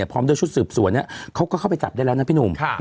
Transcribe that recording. พร้อมด้วยชุดสืบสวนเขาก็เข้าไปจับได้แล้วนะพี่หนุ่ม